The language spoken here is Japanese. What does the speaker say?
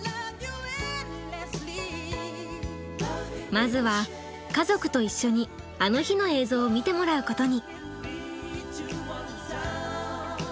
まずは家族と一緒に「あの日」の映像を見てもらうことに。